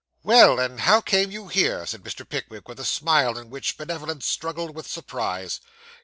'Well; and how came you here?' said Mr. Pickwick, with a smile in which benevolence struggled with surprise.